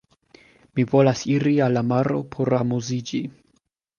Mi volas iri al la maro por amuziĝi.